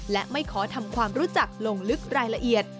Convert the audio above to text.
และไม่ขอทำความรู้จักลงลึกรายละเอียด